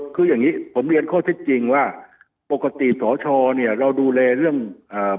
คืออย่างงี้ผมเรียนข้อเท็จจริงว่าปกติสชเนี่ยเราดูแลเรื่องอ่า